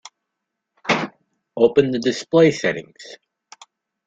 Open the display settings.